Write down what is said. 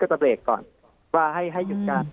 จะเบรกก่อนว่าให้หยุดการ